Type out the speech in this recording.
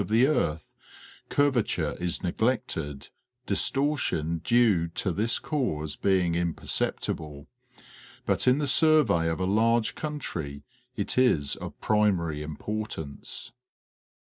255 of the earth, curvature is neglected, distortion due to this cause being imperceptible, but in the survey of a large country it is of primary importance.